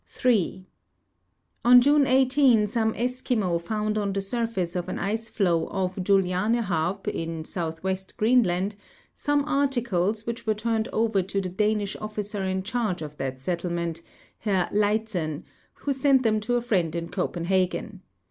3. On June 18 some Eskimo found on the surface of an ice floe off Julianehaab, in southwest Greenland, some articles, which were turned over to the Danish officer in charge of that settle ment, Herr Lytzen, who sent them to a friend in Copenhagen.